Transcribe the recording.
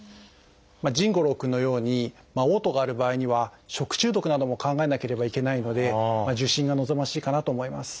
臣伍朗くんのようにおう吐がある場合には食中毒なども考えなければいけないので受診が望ましいかなと思います。